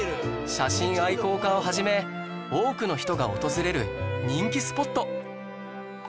写真愛好家を始め多くの人が訪れる人気スポット